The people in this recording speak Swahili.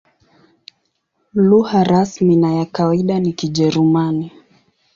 Lugha rasmi na ya kawaida ni Kijerumani.